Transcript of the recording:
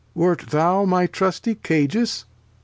Wer't thou my trusty Cajus ?